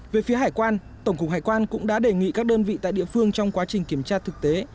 về phía hải quan tổng cục hải quan cũng đã đề nghị các đơn vị tại địa phương trong quá trình kiểm tra thực tế